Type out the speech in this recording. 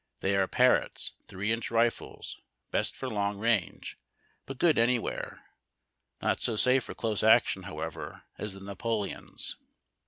They are Parrots, three inch rifles ; best for long range, but good anywhere. Not so safe for close action, however, as the Napoleons.